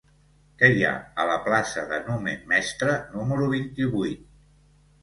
Què hi ha a la plaça de Numen Mestre número vint-i-vuit?